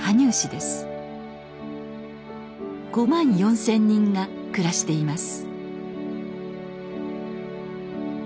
５万４，０００人が暮らしています。